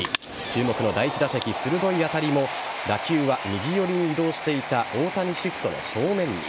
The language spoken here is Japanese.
注目の第１打席鋭い当たりも打球は右寄りに移動していた大谷シフトの正面に。